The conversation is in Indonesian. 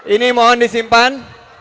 ini mohon disimpan